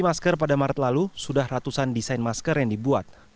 masker pada maret lalu sudah ratusan desain masker yang dibuat